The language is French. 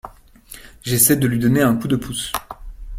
J’essaie de lui donner un coup de pouce.